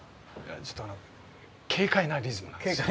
ちょっとあの軽快なリズムのやつを。